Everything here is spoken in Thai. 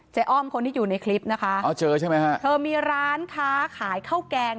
เจ้าอ้อมคนที่อยู่ในคลิปนะคะเขามีร้านค้าขายข้าวแกง